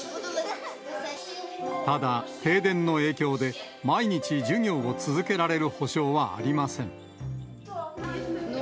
ただ、停電の影響で、毎日授業を続けられる保証はありません。